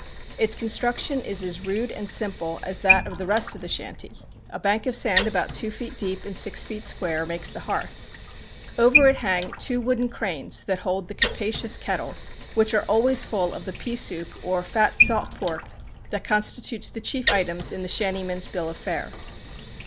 Its construction is as rude and simple as that of the rest of the shanty. A bank of sand about two feet deep and six feet square makes the hearth. Over it hang two wooden cranes that hold the capacious kettles, which are always full of the pea soup or fat salt pork that constitute the chief items in the shantymen's bill of fare.